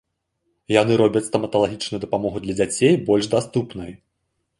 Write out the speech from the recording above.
Яны робяць стаматалагічную дапамогу для дзяцей больш даступнай.